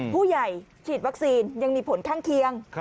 ผู้ใหญ่ฉีดวัคซีนยังมีผลข้างเคียง